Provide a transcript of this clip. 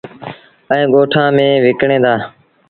ائيٚݩ ڳوٚٺآن ميݩ وڪڻيٚن دآ۔